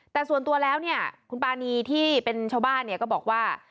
แต่ส่วนตัวแล้วเนี่ยคุณปานีที่เป็นชาวบ้านเนี่ยก็บอกว่า